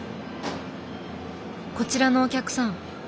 こちらのお客さん